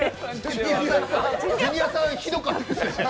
ジュニアさん、ひどかったですね。